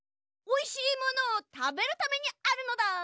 おいしいものをたべるためにあるのだ！